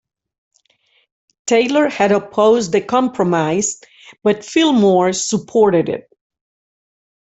Taylor had opposed the Compromise, but Fillmore supported it.